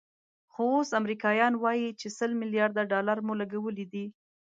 خو اوس امریکایان وایي چې سل ملیارده ډالر مو لګولي دي.